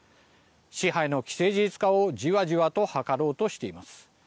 支配の既成事実化をじわじわと図ろうとしています。